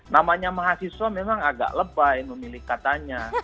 namanya mahasiswa memang agak lebay memilih katanya